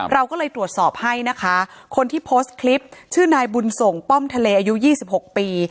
เราก็เลยตรวจสอบให้นะคะคนที่โพสต์คลิปชื่อนายบุญส่งป้อมทะเลอายุ๒๖ปี